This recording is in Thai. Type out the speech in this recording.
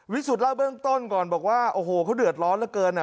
สุทธิเล่าเบื้องต้นก่อนบอกว่าโอ้โหเขาเดือดร้อนเหลือเกินอ่ะ